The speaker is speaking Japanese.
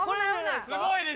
すごい！